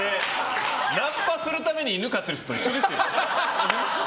ナンパするために犬飼ってる人と一緒ですよ。